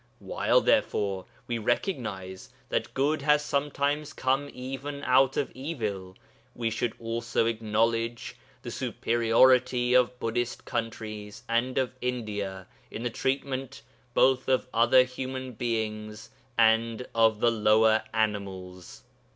While, therefore, we recognize that good has sometimes come even out of evil, we should also acknowledge the superiority of Buddhist countries and of India in the treatment both of other human beings and of the lower animals.